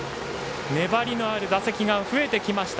粘りのある打席が増えてきました